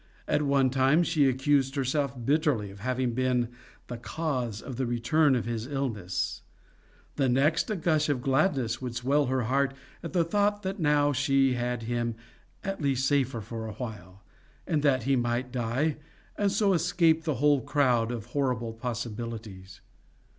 At one time she accused herself bitterly of having been the cause of the return of his illness; the next a gush of gladness would swell her heart at the thought that now she had him at least safer for a while, and that he might die and so escape the whole crowd of horrible possibilities.